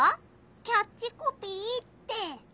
キャッチコピーって？